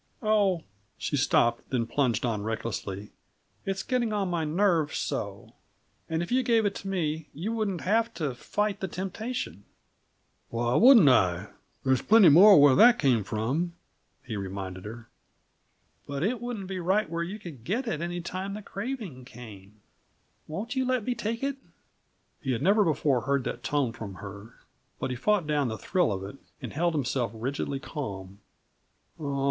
"Oh " she stopped, then plunged on recklessly. "It's getting on my nerves so! And if you gave it to me, you wouldn't have to fight the temptation " "Why wouldn't I? There's plenty more where that came from," he reminded her. "But it wouldn't be right where you could get it any time the craving came. Won't you let me take it?" He had never before heard that tone from her; but he fought down the thrill of it and held himself rigidly calm.